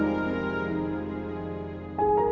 oh siapa ini